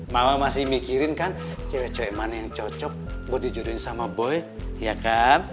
mama masih mikirin kan cewek cewek mana yang cocok buat dijudulin sama boy ya kan